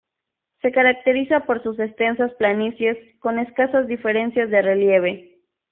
Se caracteriza por sus extensas planicies con escasas diferencias de relieve.